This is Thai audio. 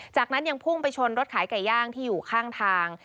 จากนั้นยังพุ่งไปชนรถขายไก่ย่างที่อยู่ข้างทาง